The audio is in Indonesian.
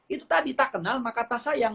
itu tadi tak kenal maka tak sayang